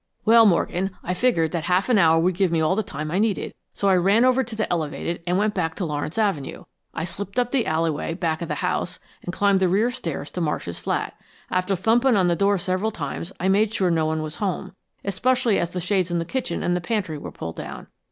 "Well, Morgan, I figured that a half hour would give me all the time I needed, so I ran over to the elevated and went back to Lawrence Avenue. I slipped up the alleyway, back of the house, and climbed the rear stairs to Marsh's flat. After thumping on the door several times I made sure no one was home, especially as the shades in the kitchen and the pantry were pulled down.